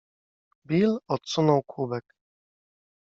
Bill odsunął kubek.